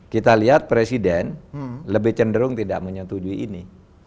kita lihat presiden lebih cenderung tidak menyetujui ini